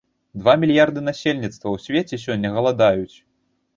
Два мільярды насельніцтва ў свеце сёння галадаюць.